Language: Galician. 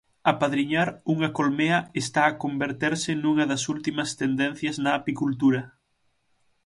Apadriñar unha colmea está a converterse nunha das últimas tendencias na apicultura.